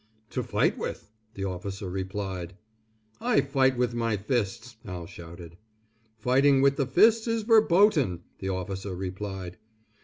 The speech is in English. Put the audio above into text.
"To fight with," the officer replied. "I fight with my fists," Al shouted. "Fighting with the fists is verboten," the officer replied.